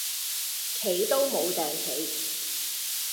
企都無碇企